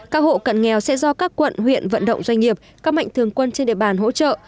các hộ cận nghèo sẽ do các quận huyện vận động doanh nghiệp các mạnh thường quân trên địa bàn hỗ trợ